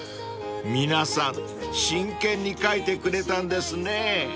［皆さん真剣に書いてくれたんですねぇ］